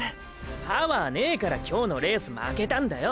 パワーねェから今日のレース負けたんだよ！